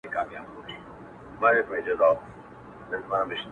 او په دې سيمه کي جوړ سوي بند ته هم